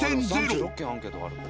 ３６件アンケートがある。